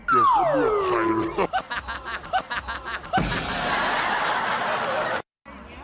เกือบเข้าเมื่อกับใคร